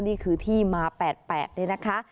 นี่คือที่ม้า๘๘ด้วยนะคะ